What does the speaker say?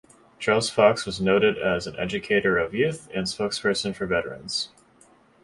Charles Fox was noted as an educator of youth and spokesperson for veterans.